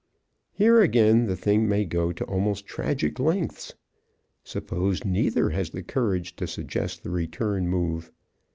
Here again the thing may go to almost tragic lengths. Suppose neither has the courage to suggest the return move.